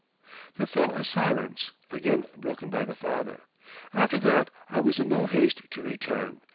There fell a silence, again broken by the father. "After that I was in no haste to return.